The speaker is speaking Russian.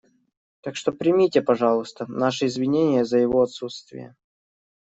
Так что примите, пожалуйста, наши извинения за его отсутствие.